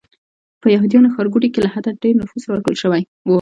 په یهودیانو ښارګوټي کې له حده ډېر نفوس راټول شوی و.